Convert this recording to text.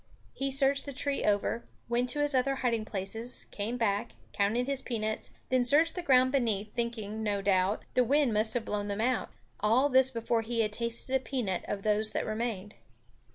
He searched the tree over, went to his other hiding places, came back, counted his peanuts, then searched the ground beneath, thinking, no doubt, the wind must have blown them out all this before he had tasted a peanut of those that remained.